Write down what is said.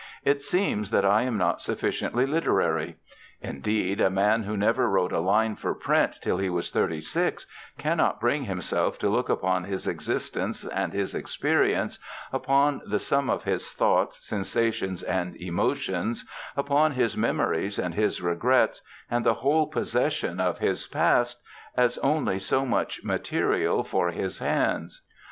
It seems that I am not sufficiently literary. Indeed, a man who never wrote a line for print till he was thirty six cannot bring himself to look upon his existence and his experience, upon the sum of his thoughts, sensations, and emotions, upon his memories and his regrets, and the whole possession of his past, as only so much material for his hands.